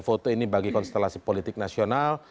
foto ini bagi konstelasi politik nasional